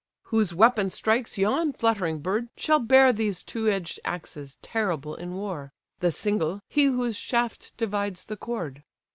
"Whose weapon strikes yon fluttering bird, shall bear These two edged axes, terrible in war; The single, he whose shaft divides the cord."